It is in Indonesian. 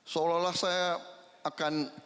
seolah olah saya akan